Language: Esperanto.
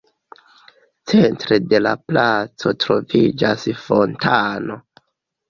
Centre de la placo troviĝas fontano.